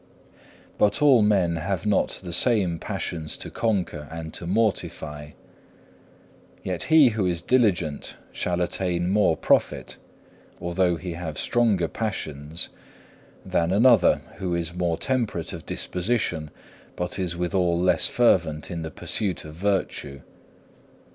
4. But all men have not the same passions to conquer and to mortify, yet he who is diligent shall attain more profit, although he have stronger passions, than another who is more temperate of disposition, but is withal less fervent in the pursuit of virtue.